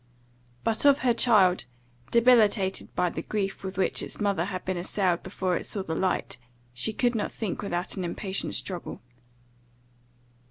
But of her child, debilitated by the grief with which its mother had been assailed before it saw the light, she could not think without an impatient struggle.